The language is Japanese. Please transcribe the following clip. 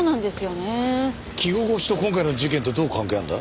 着心地と今回の事件とどう関係あるんだ？